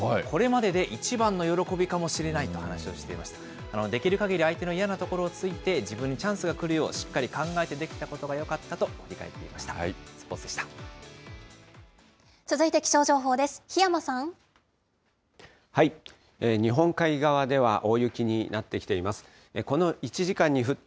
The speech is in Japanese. できるかぎり相手の嫌な所をついて、自分にチャンスが来るようしっかり考えてできたことがよかったと振り返っていました。